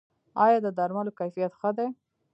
آیا د درملو کیفیت ښه دی؟